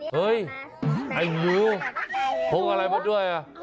เฮ้ยไอ้งูพกอะไรมาด้วย